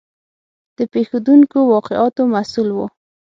د پېښېدونکو واقعاتو محصول و.